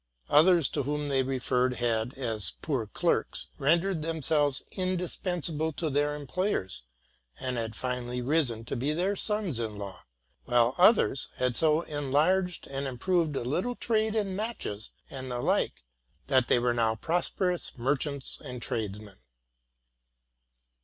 Others to whom they referred had, as poor clerks, rendered themselves indispensable to their employers, and had finally risen to be their sons in law ; while others had so enlarged and improved a little trade in matches and the like, that they were now prosperous merchants and tradesmen.